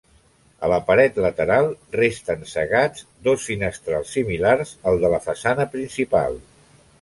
A la paret lateral, resten cegats dos finestrals similars al de la façana principal.